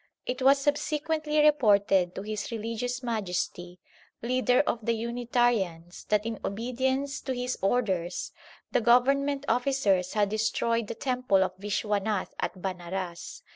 It was subsequently reported to his religious Majesty, leader of the Unitarians, that in obedience to his orders, the Government officers had destroyed the temple of Vishwanath at Banaras.